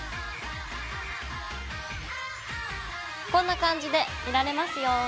こんな感じで見られますよ。